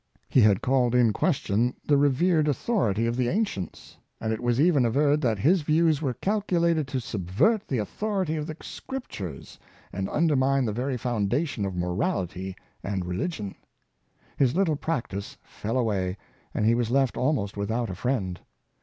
He had called in ques tion the revered authority of the ancients; and it was even averred that his views were calculated to subvert the authority of the Scriptures and undermine the very foundation of morality and religion. His little practice fell away, and he was left almost without a friend.